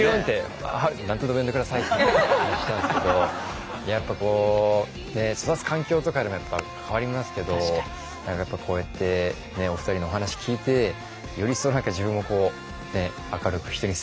はい何とでも呼んで下さいっていう感じなんですけどやっぱこうね育つ環境とかでもやっぱ変わりますけどやっぱこうやってねお二人のお話聞いてより一層そうだよね。